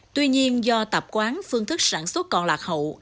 tuy nhiên do tập quán phương thức sản xuất còn lạc hậu